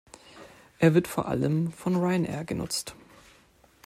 Er wird vor allem von Ryanair genutzt.